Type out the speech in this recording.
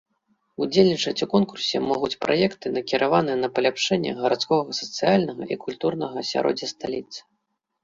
Удзельнічаць у конкурсе могуць праекты, накіраваныя на паляпшэнне гарадскога сацыяльнага і культурнага асяроддзя сталіцы.